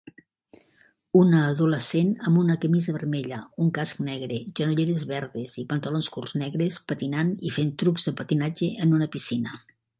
Una adolescent amb una camisa vermella, un casc negre, genolleres verdes i pantalons curts negres patinant i fent trucs de patinatge en una piscina